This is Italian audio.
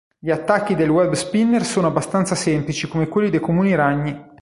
Gli attacchi del Web Spinner sono abbastanza semplici come quelli dei comuni ragni.